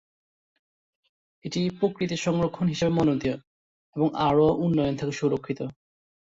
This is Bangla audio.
এটি প্রকৃতি সংরক্ষণ হিসাবে মনোনীত এবং আরও উন্নয়ন থেকে সুরক্ষিত।